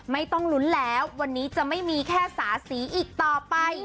ไม่ต้องลุ้นแล้ววันนี้จะไม่มีแค่สาสีอีกต่อไป